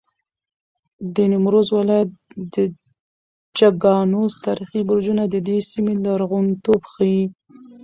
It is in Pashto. د نیمروز ولایت د چګانوس تاریخي برجونه د دې سیمې لرغونتوب ښیي.